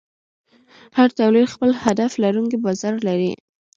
هر تولید خپل هدف لرونکی بازار لري.